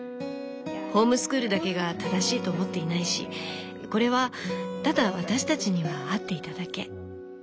ホームスクールだけが正しいと思っていないしこれはただ私たちには合っていただけ。